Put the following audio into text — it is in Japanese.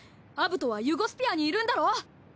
アブトはユゴスピアにいるんだろう？